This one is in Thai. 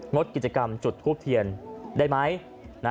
ดกิจกรรมจุดทูบเทียนได้ไหม